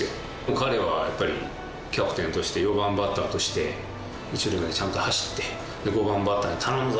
彼はやっぱりキャプテンとして４番バッターとして一塁までちゃんと走って５番バッターに「頼むぞ！」